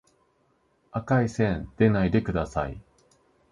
赤い線でないでください